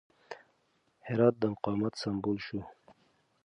هرات د مقاومت سمبول شو.